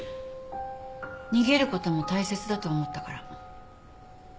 逃げることも大切だと思ったから。